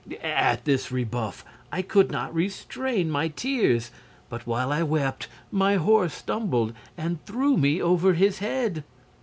At this rebuff I could not restrain my tears, but while I wept my horse stumbled and threw me over his head.